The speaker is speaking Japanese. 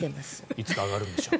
いつ上がるんでしょう。